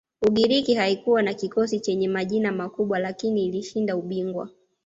ugiriki haikuwa na kikosi chenye majina makubwa lakini ilishinda ubingwa